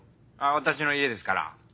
私の家ですからええ。